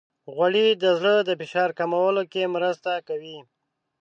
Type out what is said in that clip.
غوړې د زړه د فشار کمولو کې مرسته کوي.